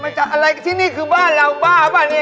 ไม่จัดอะไรที่นี่คือบ้านเราบ้าปะนี่